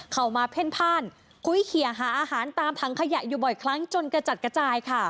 เข้ามาเพ่นพ่านคุยเขียหาอาหารตามถังขยะอยู่บ่อยครั้งจนกระจัดกระจายค่ะ